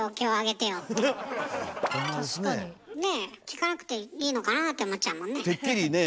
聞かなくていいのかなって思っちゃうもんね。